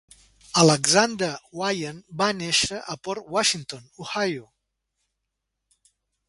Alexander Wyant va néixer a Port Washington, Ohio.